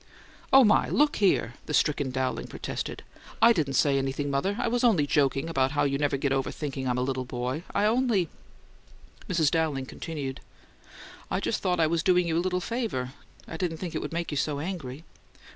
"Oh, my! Look here!" the stricken Dowling protested. "I didn't say anything, mother. I was just joking about how you never get over thinking I'm a little boy. I only " Mrs. Dowling continued: "I just thought I was doing you a little favour. I didn't think it would make you so angry."